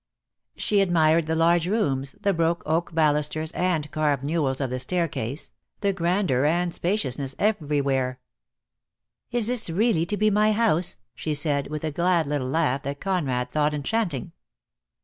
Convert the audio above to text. She admired the large rooms, the broad oak balusters and carved newels of 200 DEAD LOVE HAS CHAINS. the staircase, the grandeur and spaciousness every where. "Is this really to be my house?" she said, with a glad little laugh that Conrad thought enchanting.